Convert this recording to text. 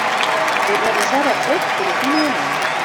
Ho revisava tot contínuament.